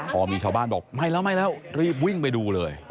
พอมีชาวบ้านบอกไม่แล้วไม่แล้วรีบวิ่งไปดูเลย